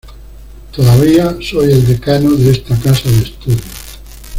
Todavía soy el decano de esta casa de estudios".